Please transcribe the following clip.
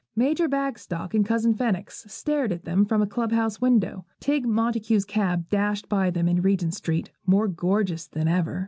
Major Bagstock and Cousin Phenix stared at them from a club house window. Tigg Montague's cab dashed by them in Regent Street, more gorgeous than ever.